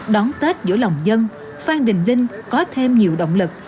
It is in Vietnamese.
đón tết giữa lòng dân phan đình linh có thêm nhiều động lực